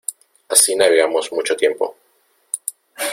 así navegamos mucho tiempo.